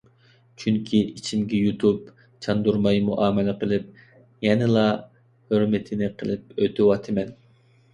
چۈنكى ئىچىمگە يۇتۇپ، چاندۇرماي مۇئامىلە قىلىپ، يەنىلا ھۆرمىتىنى قىلىپ ئۆتۈۋاتىمەن.